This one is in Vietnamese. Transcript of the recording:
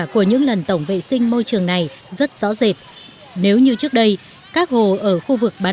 của những lần tổng vệ sinh môi trường này rất rõ rệt nếu như trước đây các hồ ở khu vực bán